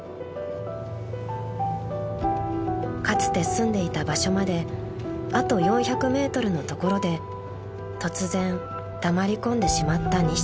［かつて住んでいた場所まであと４００ｍのところで突然黙り込んでしまった西さん］